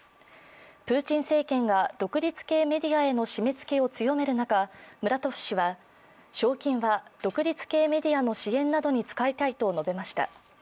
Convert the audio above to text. プーチン政権が独立系メディアへの締め付けを強める中、ムラトフ氏は賞金は独立系メディアの支援などに使いたいと述べました。